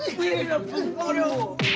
jadi gue harus ngukulin